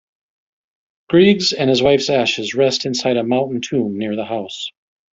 Grieg's and his wife's ashes rest inside a mountain tomb near the house.